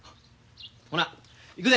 ほな行くで。